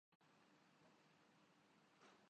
طبیب مریض کی حالت کا جائزہ لیتے ہیں